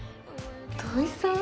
土井さん？